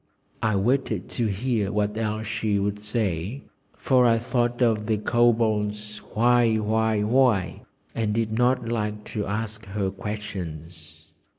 I waited to hear what else she would say, for I thought of the Kobold's "Why? Why? Why?" and did not like to ask her questions.